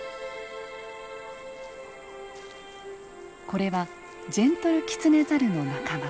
これはジェントルキツネザルの仲間。